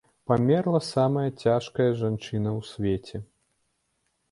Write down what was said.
Памерла самая цяжкая жанчына ў свеце.